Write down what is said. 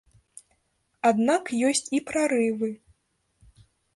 Аднак ёсць і прарывы.